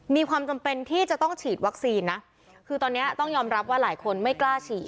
มีความจำเป็นที่จะต้องฉีดวัคซีนนะคือตอนนี้ต้องยอมรับว่าหลายคนไม่กล้าฉีด